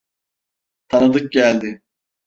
Tanıdık geldi.